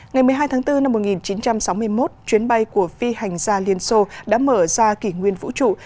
ngày một mươi hai tháng bốn năm một nghìn chín trăm sáu mươi một chuyến bay của phi hành gia liên xô đã mở ra kỷ nguyên vũ trụ